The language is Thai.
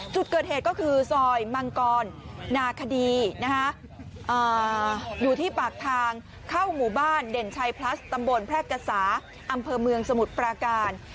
จุดเกิดเหตุก็คือซอยมังกรนาคดีอยู่ที่ปากทางเข้าหมู่บ้านเด่นชัยพลัสตำบลแพร่กษาอำเภอเมืองสมุทรปราการ